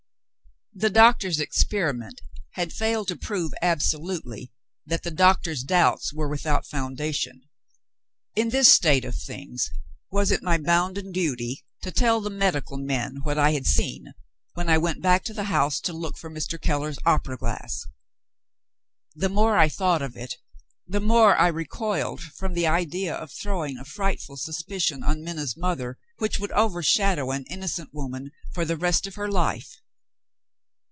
The doctor's experiment had failed to prove absolutely that the doctor's doubts were without foundation. In this state of things, was it my bounden duty to tell the medical men what I had seen, when I went back to the house to look for Mr. Keller's opera glass? The more I thought of it, the more I recoiled from the idea of throwing a frightful suspicion on Minna's mother which would overshadow an innocent woman for the rest of her life.